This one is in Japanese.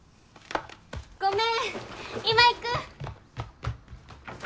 ごめん今行く！